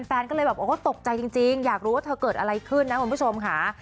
แฟนก็เลยแบบโอ้ตกใจจริงอยากรู้ว่าเธอเกิดอะไรขึ้นนะคุณผู้ชมค่ะ